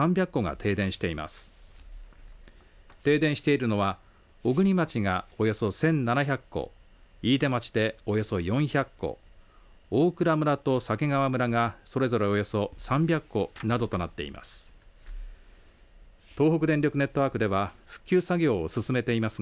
停電しているのは小国町がおよそ１７００戸飯豊町で、およそ４１００戸大蔵村と鮭川村がそれぞれおよそ３００戸などとなっています。